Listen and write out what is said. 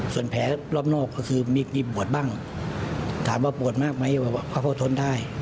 ส่วนแผลรอบนอกก็คือมีปวดบ้างถามว่าปวดมากไหมเขาก็ทนได้